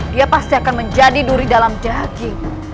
dia pasti akan menjadi duri dalam jagi